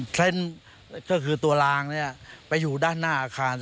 เทรนด์ก็คือตัวรางเนี่ยไปอยู่ด้านหน้าอาคาร